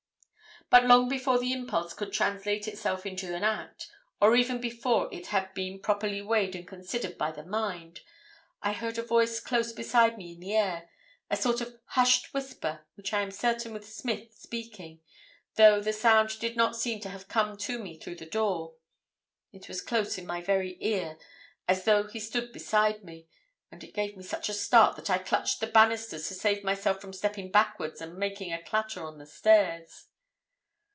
"But long before the impulse could translate itself into an act, or even before it had been properly weighed and considered by the mind, I heard a voice close beside me in the air, a sort of hushed whisper which I am certain was Smith speaking, though the sound did not seem to have come to me through the door. It was close in my very ear, as though he stood beside me, and it gave me such a start, that I clutched the banisters to save myself from stepping backwards and making a clatter on the stairs.